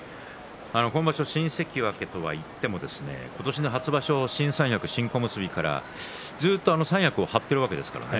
今場所、新関脇といっても今年の初場所からずっと三役を張っているわけですね。